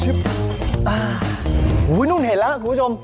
โอ้โหนุ่นเห็นแล้วคุณผู้ชม